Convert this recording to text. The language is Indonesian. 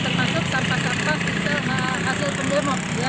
termasuk sampah sampah hasil pendemok